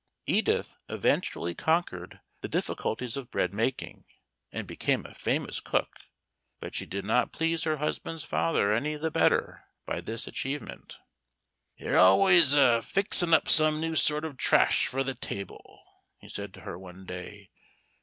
Edith eventually conquered the difficulties of bread making, and became a famous cook. But she did not please her husband's father any the better by this achievement. "You're always a fixin' up some new sort of trash for the table," he said to her one day.